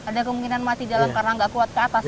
ada kemungkinan mati jalan karena nggak kuat ke atas